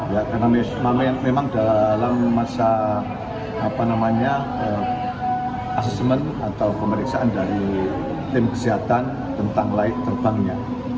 karena memang dalam masa asesmen atau pemeriksaan dari tim kesehatan tentang layak terbangnya